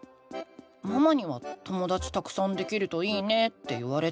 ママには「ともだちたくさんできるといいね」って言われたけど。